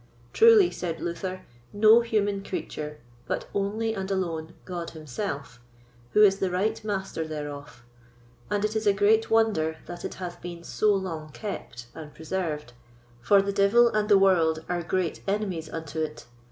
Truly, said Luther, no human creature, but only and alone God himself, who is the right Master thereof; and it is a great wonder that it hath been so long kept and preserved, for the devil and the world are great enemies unto it.